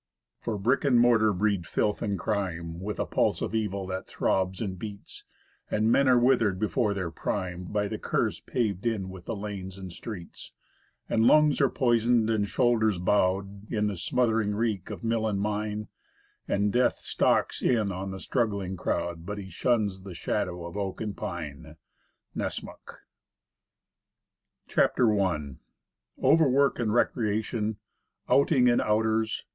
For brick and mortar breed filth and crime, With a pulse of evil that throbs and beats; And men are withered before their prime By the curse paved in with the lanes and streets. And lungs are poisoned and shoulders bowed, In the smothering reek of mill and mine; And death stalks in on the struggling crowd But he shuns the shadow of oak and pine. Nessmuk. WOODCRAFT. CHAPTER I. OVERWORK AND RECREATION. OUTING AND OUTERS.